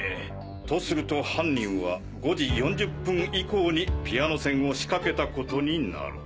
とすると犯人は５時４０分以降にピアノ線を仕掛けたことになる。